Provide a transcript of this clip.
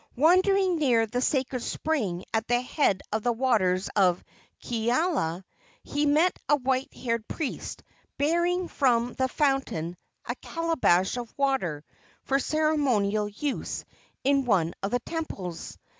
Wandering near the sacred spring at the head of the waters of Kealia, he met a white haired priest bearing from the fountain a calabash of water for ceremonial use in one of the temples.